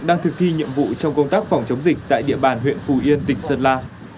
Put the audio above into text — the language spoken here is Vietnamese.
đang thực thi nhiệm vụ trong công tác phòng chống dịch tại địa bàn huyện phù yên tỉnh sơn la